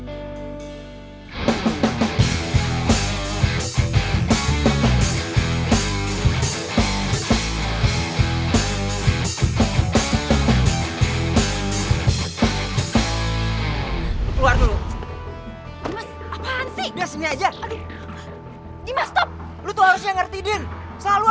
aku kangen kalian yang dulu